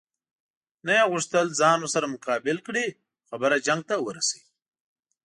نه یې غوښتل ځان ورسره مقابل کړي او خبره جنګ ته ورسوي.